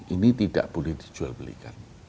ini tidak boleh dijual belikan